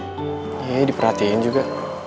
iya diperhatiin juga